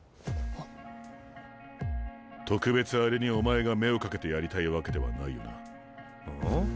特別あれにお前が目をかけてやりたいわけではないよな？